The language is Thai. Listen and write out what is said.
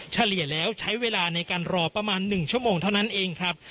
เฉลี่ยแล้วใช้เวลาในการรอประมาณ๑ชั่วโมงเท่านั้นเองครับ